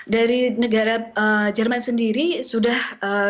dari negara jerman sendiri sudah